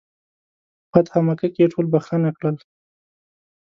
فتح مکه کې یې ټول بخښنه کړل.